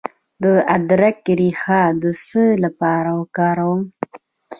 د ادرک ریښه د څه لپاره وکاروم؟